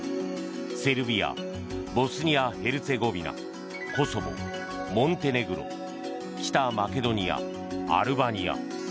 セルビアボスニア・ヘルツェゴビナコソボ、モンテネグロ北マケドニア、アルバニア。